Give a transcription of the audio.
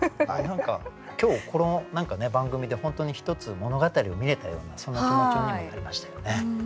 今日この番組で本当に一つ物語を見れたようなそんな気持ちにもなりましたよね。